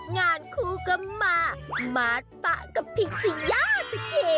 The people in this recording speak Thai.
งานคู่ก็มามาตักกับพีซีย่าด้วยเจ๊